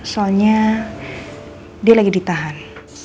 soalnya dia lagi ditahan